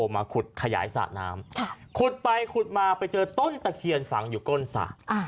มาขุดขยายสระน้ำขุดไปขุดมาไปเจอต้นตะเคียนฝังอยู่ก้นสระ